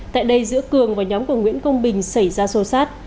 tại đây giữa cường và nhóm của nguyễn công bình xảy ra sô sát